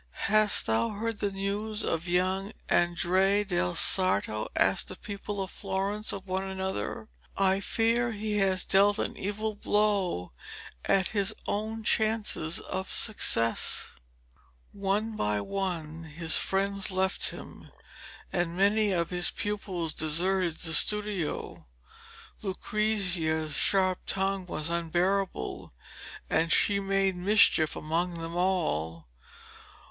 'Hast thou heard the news of young Andrea del Sarto?' asked the people of Florence of one another. 'I fear he has dealt an evil blow at his own chances of success.' One by one his friends left him, and many of his pupils deserted the studio. Lucrezia's sharp tongue was unbearable, and she made mischief among them all.